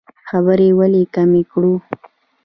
خبرې ولې کمې کړو؟